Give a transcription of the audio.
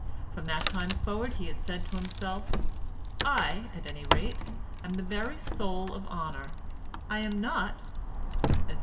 From that time forward he had said to himself: "I, at any rate, am the very soul of honour; I am not," etc.